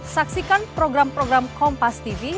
saksikan program program kompas tv